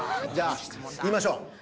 じゃあいいましょう。